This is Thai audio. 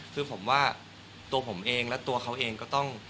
คือผมว่าตัวผมเองและตัวเขาเองก็ต้อง